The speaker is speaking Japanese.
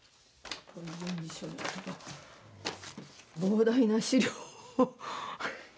膨大な資料。